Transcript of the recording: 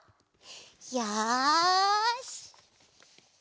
よし！